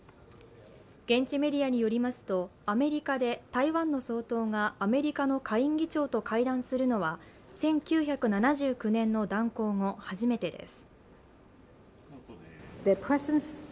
現地メディアによりますと、アメリカで台湾の総統がアメリカの下院議長と会談するのは１９７９年の断交後初めてです。